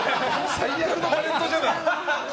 最悪のタレントじゃない！